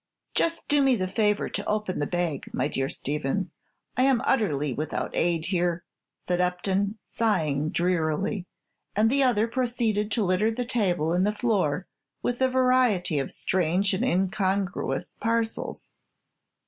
"Just do me the favor to open the bag, my dear Stevins. I am utterly without aid here," said Upton, sighing drearily; and the other proceeded to litter the table and the floor with a variety of strange and incongruous parcels.